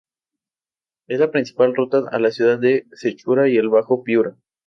Es la principal ruta a la ciudad de Sechura y el bajo Piura.